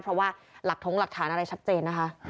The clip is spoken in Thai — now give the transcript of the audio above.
เพราะว่าหลักถงหลักฐานอะไรชัดเจนนะคะ